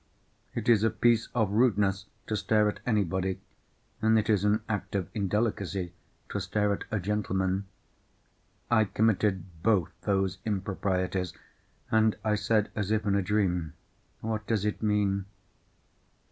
It is a piece of rudeness to stare at anybody, and it is an act of indelicacy to stare at a gentleman. I committed both those improprieties. And I said, as if in a dream, "What does it mean?"